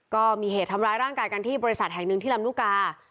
ก็มีเหตุทำร้ายร่างกายกันที่บริษัทแห่งหนึ่งที่ลำลูกกา